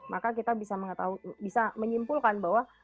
maka kita bisa menyimpulkan bahwa